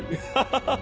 ハハハハ。